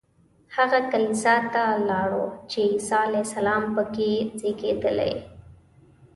هغه کلیسا ته لاړو چې عیسی علیه السلام په کې زېږېدلی.